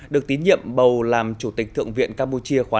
được tín nhiệm bầu làm chủ tịch thượng viện campuchia khóa chín